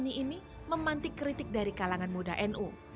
namun gegap gempita porseni ini memantik kritik dari kalangan muda nu